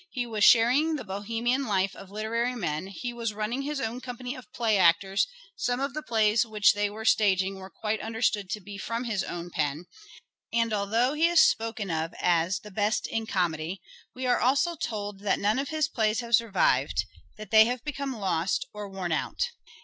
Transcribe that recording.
He was sharing the Bohemian life of literary men, he was running his own company of play actors, some of the plays which they were staging were quite understood to be from his own pen ; and 158 " SHAKESPEARE " IDENTIFIED although he is spoken of as " the best in comedy " we are also told that " none of his plays have survived ": that they have become " lost or worn out."